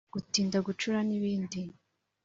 gutinda gucura n’ibindi